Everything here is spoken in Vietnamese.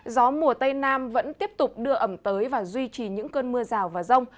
gió mùa tây nam vẫn tiếp tục đưa ẩm tới và duy trì những cơn mưa rào và rông